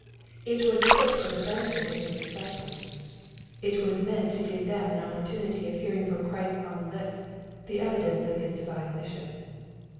It was put for the benefit of Ms disciples. It was meant to give them an opportunity of hearing from Christ's own lips, the eyidence of His divine mission.